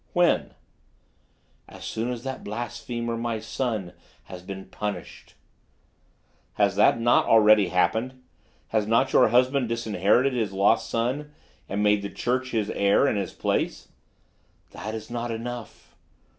"When?" "As soon as that blasphemer, my son, has been punished." "Has that not already happened? Has not your husband disinherited his lost son, and made the Church his heir, in his place?" "That is not enough."